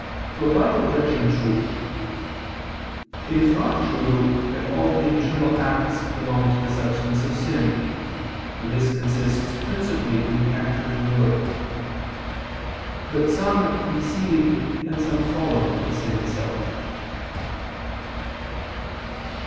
Reply Obj. 2: It is not true that all the internal acts belong to the substance of sin, for this consists principally in the act of the will; but some precede and some follow the sin itself.